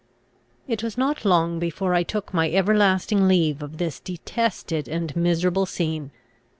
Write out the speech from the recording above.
It was not long before I took my everlasting leave of this detested and miserable scene.